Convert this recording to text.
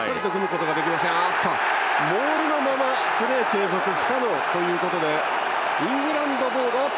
モールのままプレー継続不可能ということでイングランドボール。